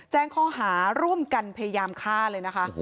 แจ้งข้อหาร่วมกันพยายามฆ่าเลยนะคะ